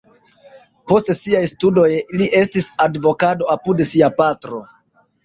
Post siaj studoj li estis advokato apud sia patro.